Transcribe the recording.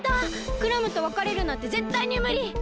クラムとわかれるなんてぜったいにむり！